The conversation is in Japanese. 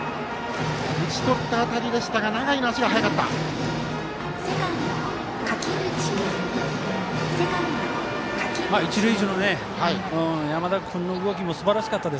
打ち取った当たりでしたが永井の足が速かった。